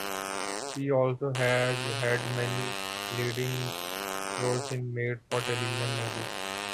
She also has had many leading roles in made-for-television movies.